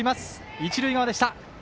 一塁側でした。